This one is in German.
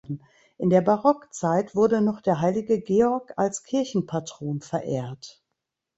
In der Barockzeit wurde noch der Heilige Georg als Kirchenpatron verehrt.